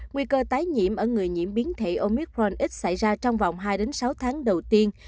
nguy cơ tái nhiễm ở người nhiễm biến thể omicron ít xảy ra trong vòng hai sáu tháng đầu tiên